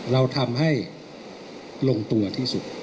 เราทำให้ลงตัวที่สุด